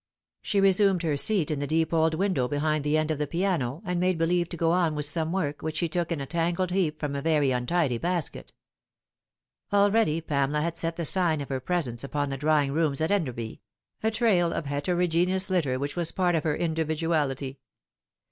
She resumed her Beat in the deep old window behind the end of the piano, and made believe to go on with some work, which she took in a tangled heap from a very untidy basket. Already Pamela had set the sign of her presence upon the drawing rooms at Enderby, a trail of heterogeneous litter which was a part of her individual ity.